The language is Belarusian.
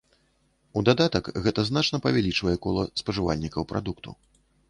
У дадатак гэта значна павялічвае кола спажывальнікаў прадукту.